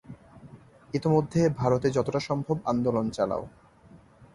ইতোমধ্যে ভারতে যতটা সম্ভব আন্দোলন চালাও।